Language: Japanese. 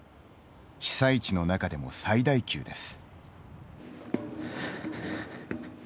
被災地の中でも最大級です。